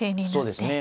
そうですね。